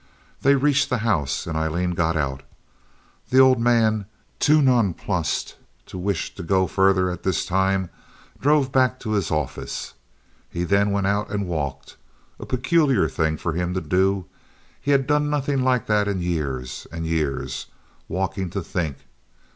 They reached the house, and Aileen got out. The old man, too nonplussed to wish to go further at this time, drove back to his office. He then went out and walked—a peculiar thing for him to do; he had done nothing like that in years and years—walking to think.